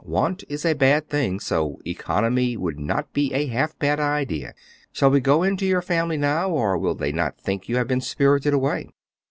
Want is a bad thing, so economy would not be a half bad idea. Shall we go in to your family now, or will they not think you have been spirited away?"